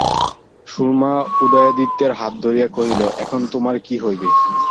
সুরমা উদয়াদিত্যের হাত ধরিয়া কহিল, এখন তোমার কী হইবে?